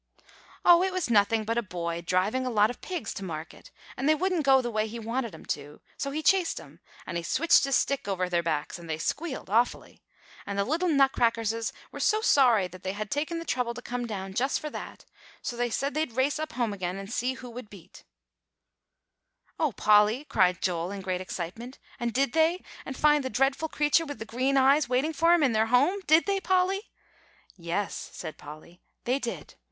"Oh! it was nothing but a boy driving a lot of pigs to market, and they wouldn't go the way he wanted 'em to; so he chased 'em, and he switched his stick over their backs, and they squealed awfully. And the little Nutcrackerses were so sorry that they had taken the trouble to come down just for that; so they said they'd race up home again and see who would beat." [Illustration: And the pigs wouldn't go the way he wanted 'em to.] "O Polly!" cried Joel, in great excitement; "and did they, and find the dreadful creature with the green eyes waiting for 'em in their home? Did they, Polly?" "Yes," said Polly; "they did.